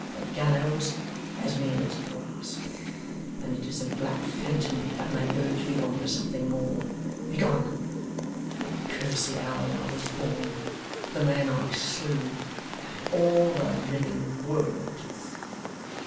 The gallows has me in its grasp, and it is a black phantom that may urge me on to something more. Begone! I curse the hour that I was born, the man I slew, and all the living world!